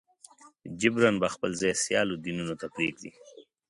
جبراً به خپل ځای سیالو دینونو ته پرېږدي.